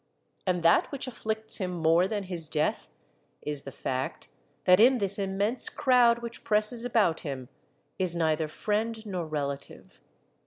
And that which afflicts him more than his death is the fact that in this immense crowd which presses about him is neither friend nor relative.